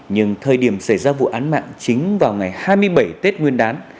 nhưng thời điểm xảy ra vụ án mạng chính vào ngày hai mươi bảy tết nguyên đán